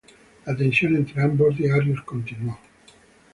La tensión entre ambos diarios continuó.